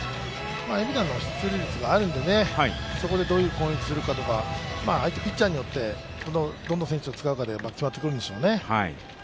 蝦名の出塁率があるので、そこでどういう攻撃をするかとか、相手ピッチャーによって相手ピッチャーによってどの選手を使ってくるかが決まってくるんでしょうね。